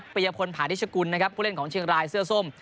ยพลผานิชกุลนะครับผู้เล่นของเชียงรายเสื้อส้ม